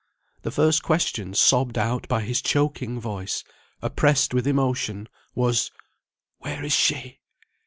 The first question sobbed out by his choking voice, oppressed with emotion, was, "Where is she?"